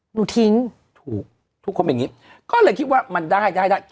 หนูทิ้งถูกทุกคนอย่างงี้ก็เลยคิดว่ามันได้ได้ได้